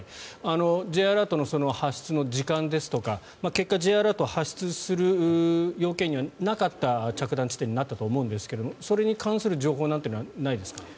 Ｊアラートの発出の時間ですとか結果、Ｊアラート発出する要件にはなかった着弾地点になったと思うんですがそれに関する情報はないですか？